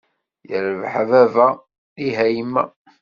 Yirbeḥ a baba, ih a yemma!